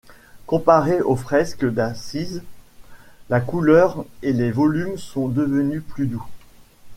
Comparés aux fresques d'Assise, la couleur et les volumes sont devenus plus doux.